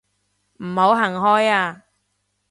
唔好行開啊